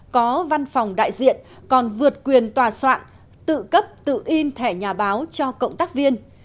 có văn phòng đại diện còn vượt quyền tòa soạn tự cấp tự in thẻ nhà báo cho cộng tác viên